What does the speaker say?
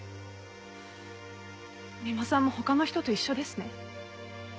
三馬さんも他の人と一緒ですね。